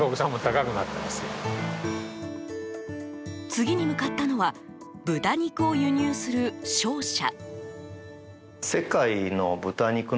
次に向かったのは豚肉を輸入する商社。